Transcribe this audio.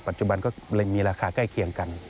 จุบันก็เลยมีราคาใกล้เคียงกัน